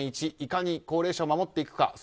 いかに高齢者を守っていくか